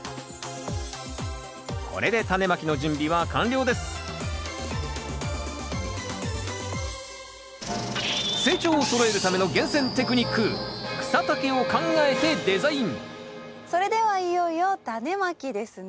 これでタネまきの準備は完了です成長をそろえるための厳選テクニックそれではいよいよタネまきですね。